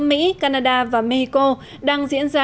mỹ canada và mexico đang diễn ra